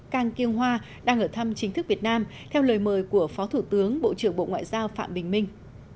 kang kyung hoa đang ở thăm chính thức việt nam theo lời mời của phó thủ tướng bộ trưởng bộ ngoại giao phạm bình minh